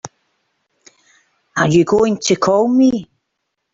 Are you going to call me?